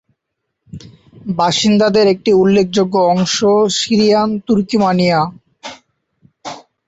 বাসিন্দাদের একটি উল্লেখযোগ্য অংশ সিরিয়ান তুর্কিমানিয়া।